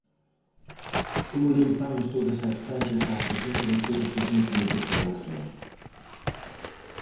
Como limpamos todas as franxas arredor de todos os núcleos de poboación?